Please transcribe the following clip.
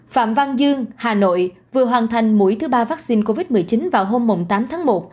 phạm văn dương hà nội vừa hoàn thành mũi thứ ba vaccine covid một mươi chín vào hôm tám tháng một